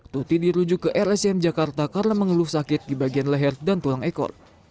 tuti dirujuk ke rscm jakarta karena mengeluh sakit di bagian leher dan tulang ekor